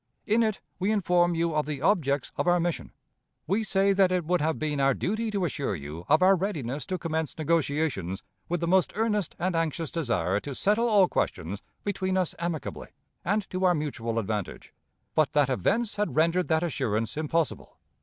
In it we inform you of the objects of our mission. We say that it would have been our duty to assure you of our readiness to commence negotiations with the most earnest and anxious desire to settle all questions between us amicably, and to our mutual advantage, but that events had rendered that assurance impossible.